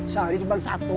sehari cuma satu